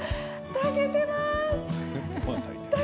炊けてます。